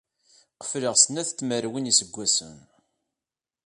Qefleɣ snat n tmerwin n yiseggasen.